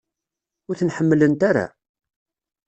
Ur ten-ḥemmlent ara?